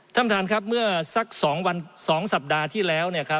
ท่านประธานครับเมื่อสัก๒สัปดาห์ที่แล้ว